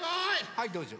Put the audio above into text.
はいどうぞ。